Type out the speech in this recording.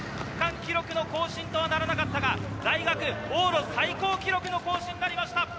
区間記録の更新とはならなかったが、大学往路最高記録の更新となりました。